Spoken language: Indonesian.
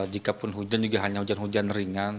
jikapun hujan juga hanya hujan hujan ringan